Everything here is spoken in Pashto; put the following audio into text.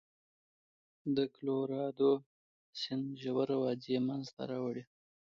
د کلورادو سیند ژوره وادي منځته راوړي.